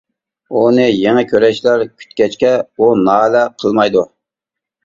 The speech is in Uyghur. ئۇنى يېڭى كۈرەشلەر كۈتكەچكە، ئۇ نالە قىلمايدۇ.